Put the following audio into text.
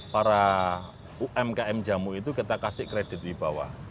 para umkm jamu itu kita kasih kredit di bawah